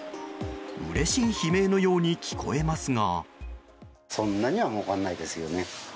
うれしい悲鳴のように聞こえますが。